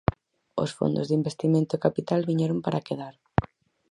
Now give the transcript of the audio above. Os fondos de investimento e capital viñeron para quedar.